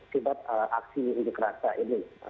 sebab aksi ujung kerasa ini